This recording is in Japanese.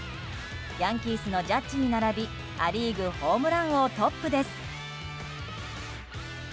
ヤンキースのジャッジに並びア・リーグホームラン王トップです。